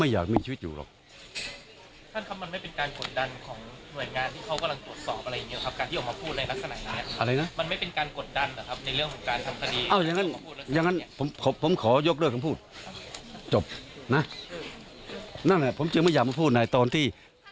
อยู่หรอก